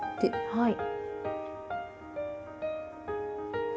はい。